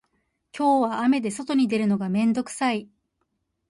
今日は雨で外に出るのが面倒くさい